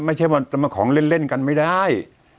ไม่ใช่ว่าจะมาของเล่นกันไม่ได้